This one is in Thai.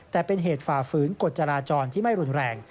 ก็ฝ่าฝืนกฎจราจรที่ไม่รุนแรง